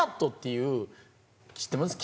知ってます？